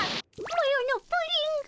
マロのプリンが。